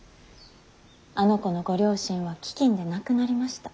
あの子のご両親は飢饉で亡くなりました。